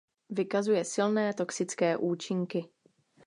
Vykazuje silné toxické účinky.